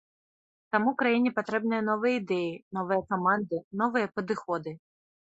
Таму краіне патрэбныя новыя ідэі, новыя каманды, новыя падыходы.